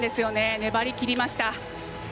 粘りきりました。